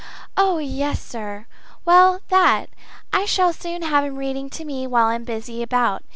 "Oh yes, sir well that! I shall soon have him reading to me while I'm busy about.